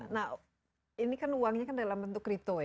nah ini kan uangnya kan dalam bentuk crypto ya